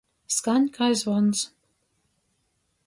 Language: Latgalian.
Skaņ kai zvons.